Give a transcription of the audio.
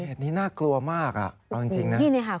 เหตุนี้น่ากลัวมากเอาจริงนี่ค่ะ